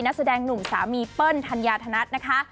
นักแสดงหนุ่มสามีเปิ้ลทันยาธนัท